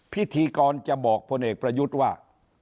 พิธีกรจะบอกพลเอกประยุทธ์ว่า